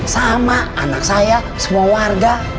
sama anak saya semua warga